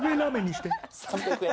３００円